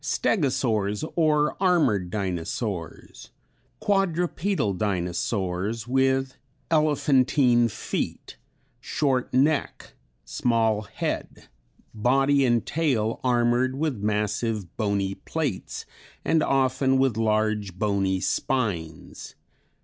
Stegosaurs or Armored Dinosaurs. Quadrupedal dinosaurs with elephantine feet, short neck, small head, body and tail armored with massive bony plates and often with large bony spines.